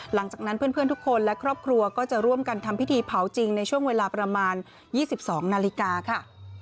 หลังจากนั้นเพื่อนทุกคนและครอบครัวก็จะร่วมกันทำพิธีเผาจริงในช่วงเวลาประมาณ๒๒นาฬิกาค่ะ